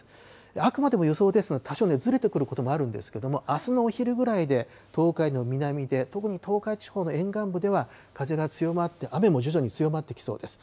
あくまでも予想ですので多少ずれてくることもあるんですけども、あすのお昼ぐらいで東海の南で特に東海地方の沿岸部では風が強まって、雨も徐々に強まってきそうです。